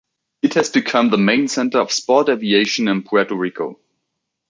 It has become the main center of Sport Aviation in Puerto Rico.